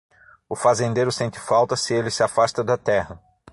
O fazendeiro sente falta se ele se afasta da terra.